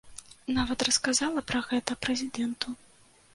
Нават расказала пра гэта прэзідэнту.